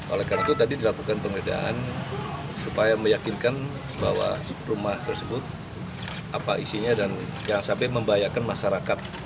oleh karena itu tadi dilakukan penggeledahan supaya meyakinkan bahwa rumah tersebut apa isinya dan jangan sampai membahayakan masyarakat